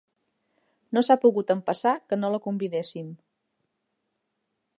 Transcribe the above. No s'ha pogut empassar que no la convidéssim.